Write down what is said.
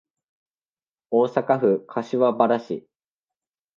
大阪府柏原市